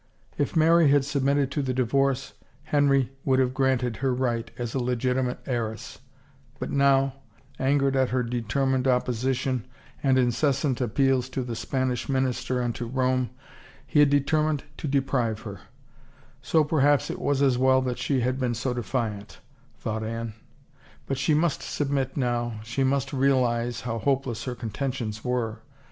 If Mary had submitted to the divorce, Henry would have granted her right as a legitimate heiress, but now, angered at her determined opposition and incessant appeals to the Spanish minister and to Rome, he had determined to de prive her, — so perhaps it was as well that she had been so defiant, thought Anne. But she must submit now, she must realize how hopeless her contentions were!